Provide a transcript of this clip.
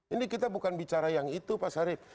ini kita bukan bicara yang itu pak sarif